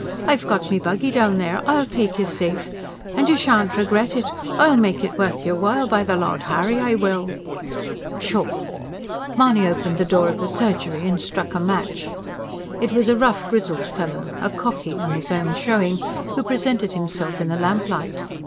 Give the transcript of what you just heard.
I've got me buggy down there; I'll take you safe. And you shan't regret it; I'll make it worth your while, by the Lord Harry I will!" "Pshaw!" Mahony opened the door of the surgery and struck a match. It was a rough grizzled fellow a "cocky," on his own showing who presented himself in the lamplight.